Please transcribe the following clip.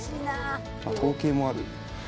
統計もある。